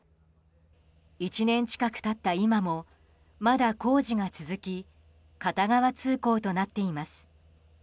１年近く経った今もまだ工事が続き片側通行となっています。